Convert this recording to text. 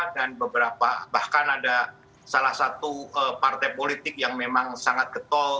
dan bahkan ada salah satu partai politik yang memang sangat getol